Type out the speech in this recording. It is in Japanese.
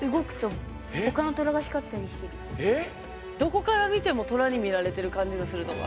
どこから見ても虎に見られている感じがするとか？